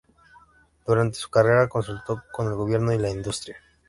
Durante su carrera, consultó con el gobierno y la industria.